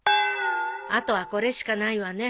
あとはこれしかないわね。